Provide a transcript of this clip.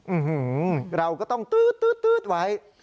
อื้อหือเราก็ต้องตื๊ดไว้